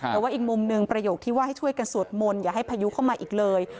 แต่ว่าอีกมุมหนึ่งประโยคที่ว่าให้ช่วยกันสวดมนต์อย่าให้พายุเข้ามาอีกเลย